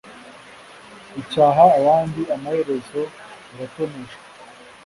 ucyaha abandi amaherezo aratoneshwa